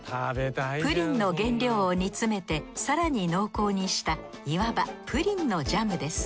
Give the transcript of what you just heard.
プリンの原料を煮詰めて更に濃厚にしたいわばプリンのジャムです。